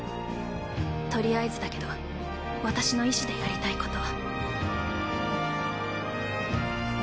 とりあえずだけど私の意志でやりたいこと。